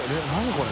これ。